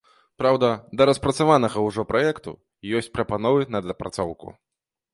Праўда, да распрацаванага ўжо праекту ёсць прапановы на дапрацоўку.